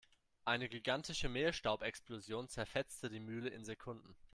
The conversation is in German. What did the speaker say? Eine gigantische Mehlstaubexplosion zerfetzte die Mühle in Sekunden.